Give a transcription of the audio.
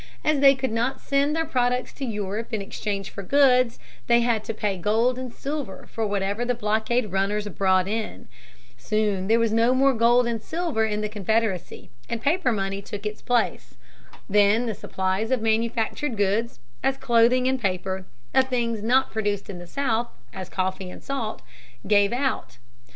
As they could not send their products to Europe to exchange for goods, they had to pay gold and silver for whatever the blockade runners brought in. Soon there was no more gold and silver in the Confederacy, and paper money took its place. Then the supplies of manufactured goods, as clothing and paper, of things not produced in the South, as coffee and salt, gave out.